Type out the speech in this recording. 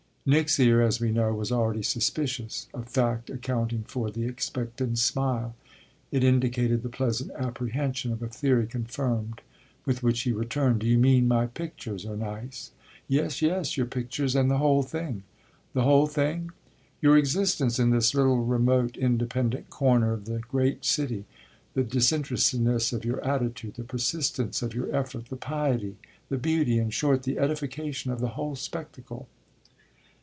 Nick's ear, as we know, was already suspicious; a fact accounting for the expectant smile it indicated the pleasant apprehension of a theory confirmed with which he returned: "Do you mean my pictures are nice?" "Yes, yes, your pictures and the whole thing." "The whole thing?" "Your existence in this little, remote, independent corner of the great city. The disinterestedness of your attitude, the persistence of your effort, the piety, the beauty, in short the edification, of the whole spectacle."